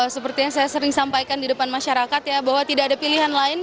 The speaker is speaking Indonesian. seperti yang saya sering sampaikan di depan masyarakat ya bahwa tidak ada pilihan lain